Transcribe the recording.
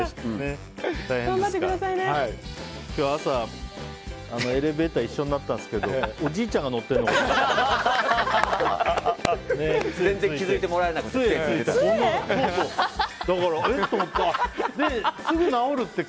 今日朝、エレベーター一緒になったんですけどおじいちゃんが乗ってるのかと思って。